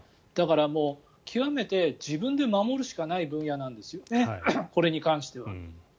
だから、極めて自分で守るしかない分野なんですこれに関しては。